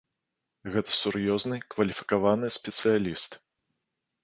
Гэта сур'ёзны, кваліфікаваны спецыяліст.